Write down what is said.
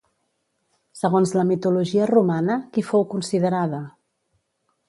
Segons la mitologia romana, qui fou considerada?